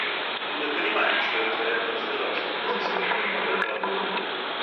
Мы понимаем, что этот вариант обсуждался в процессе подготовки доклада.